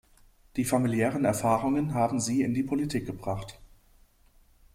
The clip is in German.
Die familiären Erfahrungen haben sie in die Politik gebracht.